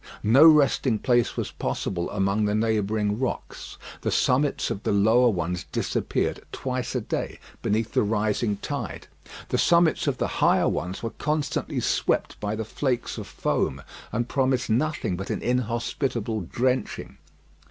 No resting place was possible among the neighbouring rocks. The summits of the lower ones disappeared twice a day beneath the rising tide. The summits of the higher ones were constantly swept by the flakes of foam, and promised nothing but an inhospitable drenching.